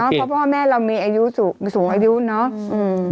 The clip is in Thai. เพราะว่าพ่อแม่เรามีสูงอายุนะ